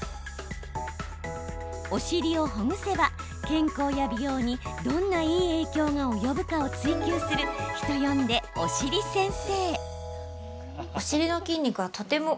お尻をほぐせば健康や美容にどんないい影響が及ぶかを追求する、人呼んで、お尻先生。